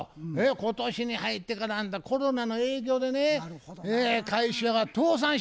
今年に入ってからあんたコロナの影響でね会社が倒産しましたんや。